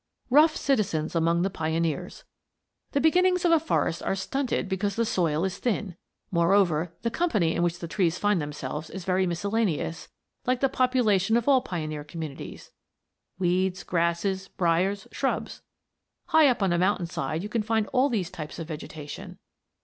] ROUGH CITIZENS AMONG THE PIONEERS The beginnings of a forest are stunted because the soil is thin. Moreover, the company in which the trees find themselves is very miscellaneous, like the population of all pioneer communities weeds, grasses, briers, shrubs. High up on a mountainside you can find all these types of vegetation.